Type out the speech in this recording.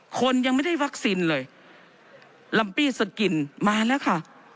คนยังไม่ได้วัคซีนเลยลัมปี้สกินมาแล้วค่ะ